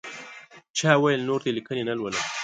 چا ویل نور دې لیکنې نه لولم.